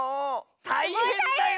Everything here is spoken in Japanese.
たいへんだよ。